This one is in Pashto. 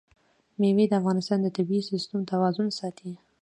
مېوې د افغانستان د طبعي سیسټم توازن ساتي.